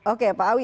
oke pak awi